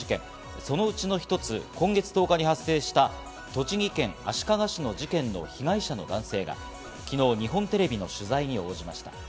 そのうちの一つ、今月１０日に発生した栃木県足利市の事件の被害者の男性が昨日、日本テレビの取材に応じました。